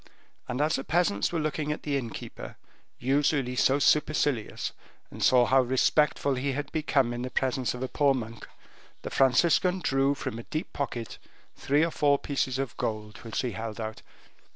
And as the peasants were looking at the innkeeper, usually so supercilious, and saw how respectful he had become in the presence of a poor monk, the Franciscan drew from a deep pocket three or four pieces of gold which he held out.